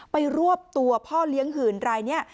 รวบตัวพ่อเลี้ยงหื่นรายนี้